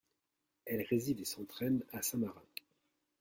Elle réside et s'entraîne à Saint-Marin.